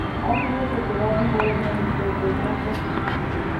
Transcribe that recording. Ha sido cultivado en todo el mundo desde muchos siglos.